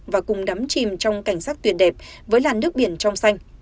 và cùng đắm chìm trong cảnh sắc tuyệt đẹp với làn nước biển trong xanh